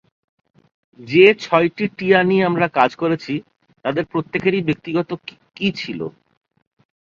যে ছয়টি টিয়া নিয়ে আমরা কাজ করেছি, তাদের প্রত্যেকেরই ব্যক্তিগত কি ছিল?